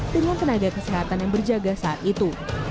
dengan tenaga kesehatan yang berjaga saat itu